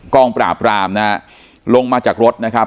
งปราบรามนะฮะลงมาจากรถนะครับ